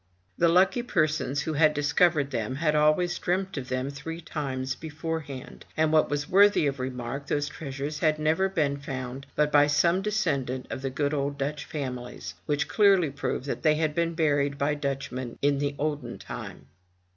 The lucky persons who had discovered them had always dreamt of them three times beforehand, and what was worthy of remark, those treasures had never been found but by some descendant of the good old Dutch families, which clearly proved that they had been buried by Dutchmen in the olden time.